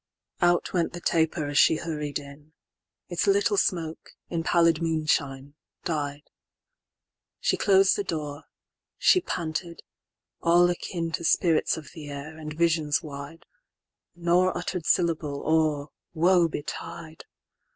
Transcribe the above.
XXIII.Out went the taper as she hurried in; Its little smoke, in pallid moonshine, died:She clos'd the door, she panted, all akinTo spirits of the air, and visions wide:No uttered syllable, or, woe betide!